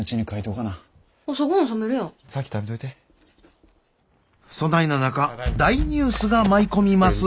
そないな中大ニュースが舞い込みます。